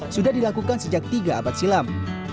sudah dilakukan sejak tiga abad silam